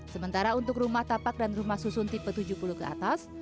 sementara untuk rumah tapak dan rumah susun tipe tujuh puluh ke atas